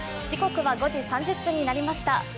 時刻は５時３０分になりました。